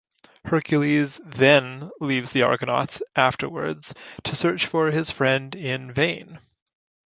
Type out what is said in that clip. Hercules then leaves the Argonauts afterwards to search for his friend in vain.